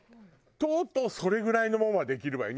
とうとうそれぐらいのものはできるわよ。